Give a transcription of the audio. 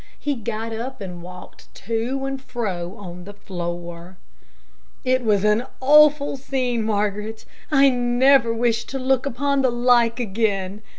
He got up and walked to and fro on the floor. "It was an awful scene, Margaret. I never wish to look upon the like again.